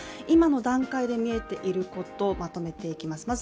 今の段階で見えていることをまとめていきます